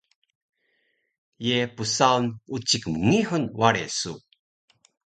Ye psaun ucik mngihur ware su?